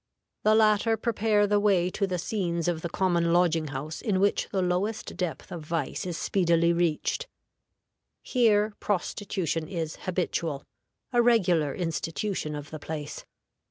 The latter prepare the way to the scenes of the common lodging house, in which the lowest depth of vice is speedily reached. Here prostitution is habitual a regular institution of the place.